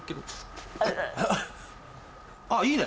あっいいね！